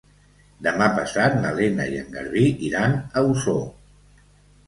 Demà passat na Lena i en Garbí iran a Osor.